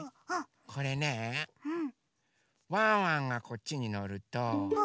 これねワンワンがこっちにのると。